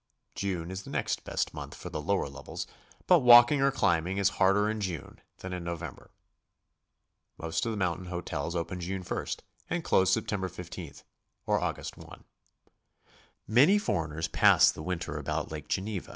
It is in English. June is the next best month for the lower levels, but walking or clim'bing is harder in June than in November. Most of the mountain hotels open June i and close Sept. 15 or Oct. i. Many foreigners pass the winter about Lake Genev.